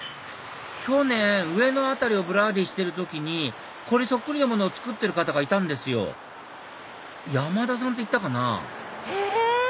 去年上野あたりをぶらりしてる時にこれそっくりなものを作ってる方がいたんですよ山田さんっていったかなえ